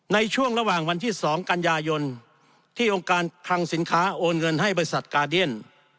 ในช่วงระหว่างวันที่๒กันยายนที่องค์การคลังสินค้าโอนเงินให้บริษัทกาเดียน